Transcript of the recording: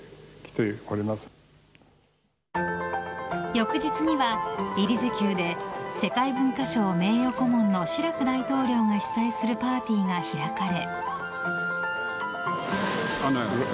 翌日にはエリゼ宮で世界文化賞名誉顧問のシラク大統領が主催するパーティーが開かれ。